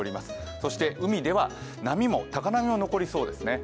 そして海では高波も残りそうですね。